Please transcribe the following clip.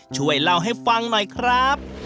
ช่วยเล่าให้ฟังหน่อยครับ